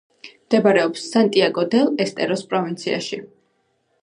მდებარეობს სანტიაგო-დელ-ესტეროს პროვინციაში.